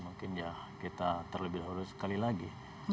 mungkin ya kita terlebih dahulu sekali lagi